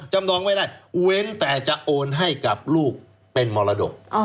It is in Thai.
นองไม่ได้เว้นแต่จะโอนให้กับลูกเป็นมรดก